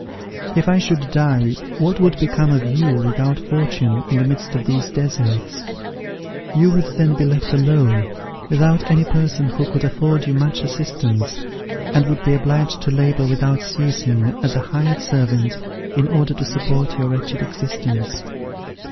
If I should die what would become of you, without fortune, in the midst of these deserts? You would then be left alone, without any person who could afford you much assistance, and would be obliged to labour without ceasing, as a hired servant, in order to support your wretched existence.